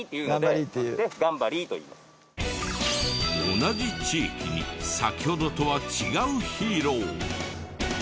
同じ地域に先ほどとは違うヒーロー。